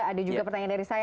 ada juga pertanyaan dari saya